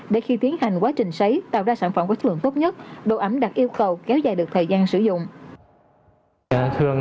để khi tiến hành quá trình xấy tạo ra sản phẩm có chất lượng tốt nhất độ ẩm đạch yêu cầu kéo dài được thời gian sử dụng